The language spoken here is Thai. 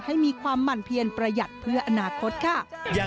ให้มีความหมั่นเพียนประหยัดเพื่ออนาคตค่ะ